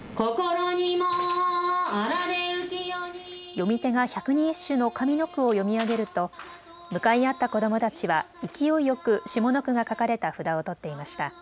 読み手が百人一首の上の句を読み上げると向かい合った子どもたちは勢いよく下の句が書かれた札を取っていました。